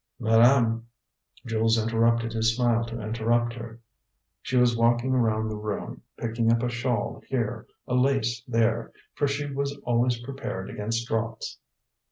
"Madame " Jules interrupted his smile to interrupt her. She was walking around the room, picking up a shawl here, a lace there; for she was always prepared against draughts.